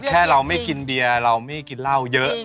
แค่เราไม่กินเบียร์เราไม่กินเหล้าเยอะ